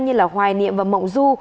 như là hoài niệm và mộng du